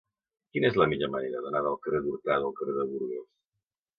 Quina és la millor manera d'anar del carrer d'Hurtado al carrer de Burgos?